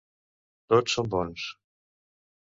Tots són bons.